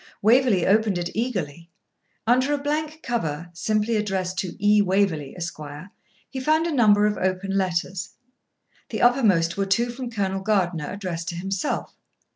Waverley opened it eagerly. Under a blank cover, simply addressed to E. Waverley, Esq., he found a number of open letters. The uppermost were two from Colonel Gardiner addressed to himself.